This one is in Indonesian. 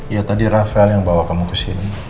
iya tadi raffael yang bawa kamu ke sini